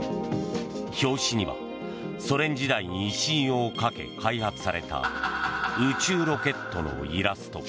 表紙にはソ連時代に威信をかけ開発された宇宙ロケットのイラスト。